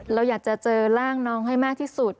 เราอยากจะเจอร่างน้องให้มากที่สุด